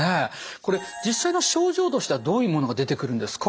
これ実際の症状としてはどういうものが出てくるんですか？